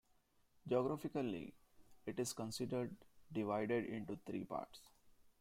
Geographically, it is considered divided into three parts.